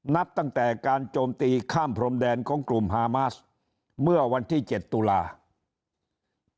นับตั้งแต่การโจมตีข้ามพรมแดนของกลุ่มฮามาสเมื่อวันที่๗ตุลาคม